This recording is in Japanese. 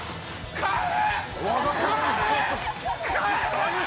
帰れ！